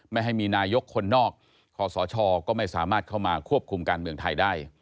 ไม่ให้มีนายกคนนอกคอสชก็ไม่สามารถเข้ามาควบคุมการเมืองไทยได้